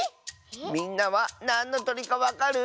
みんなはなんのとりかわかる？